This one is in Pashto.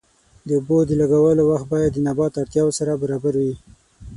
د اوبو د لګولو وخت باید د نبات اړتیاوو سره برابر وي.